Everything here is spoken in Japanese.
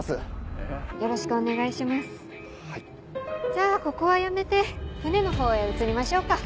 じゃあここはやめて船のほうへ移りましょうか。